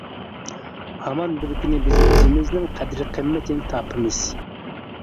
ھامان بىركۈنى بىز ئۆزىمىزنىڭ قەدىر-قىممىتىنى تاپىمىز!